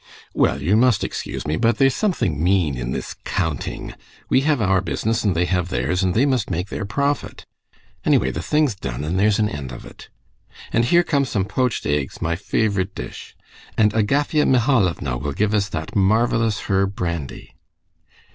"Well, you must excuse me, but there's something mean in this counting. We have our business and they have theirs, and they must make their profit. Anyway, the thing's done, and there's an end of it. And here come some poached eggs, my favorite dish. And Agafea Mihalovna will give us that marvelous herb brandy...."